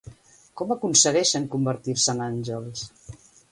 Com aconsegueixen convertir-se en àngels?